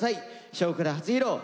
「少クラ」初披露。